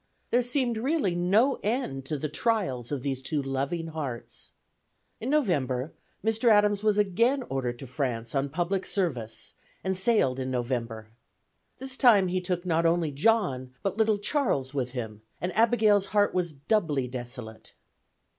There seemed really no end to the trials of these two loving hearts. In November, Mr. Adams was again ordered to France on public service, and sailed in November. This time he took not only John but little Charles with him, and Abigail's heart was doubly desolate.